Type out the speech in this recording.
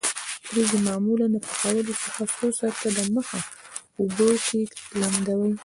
وریجې معمولاً له پخولو څخه څو ساعته د مخه په اوبو کې لمدوي.